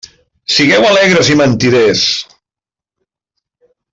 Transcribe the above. Sigueu alegres i mentiders!